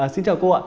xin chào cô ạ